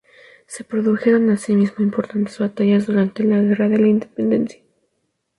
Se produjeron así mismo importantes batallas durante la guerra de la Independencia.